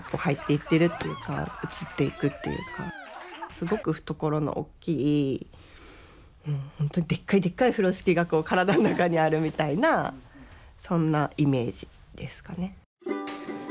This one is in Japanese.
すごく懐のおっきい本当にでっかいでっかい風呂敷が体の中にあるみたいなそんなイメージですかね。